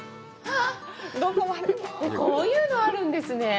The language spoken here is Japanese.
こういうのあるんですね。